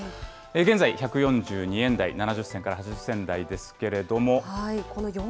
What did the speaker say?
現在、１４２円台７０銭から８０銭台ですけれども。